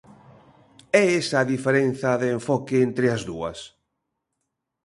É esa a diferenza de enfoque entre as dúas?